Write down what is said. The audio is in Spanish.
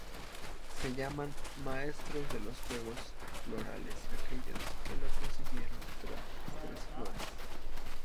Se llaman "maestros de los juegos Florales" aquellos que consiguieron las tres flores.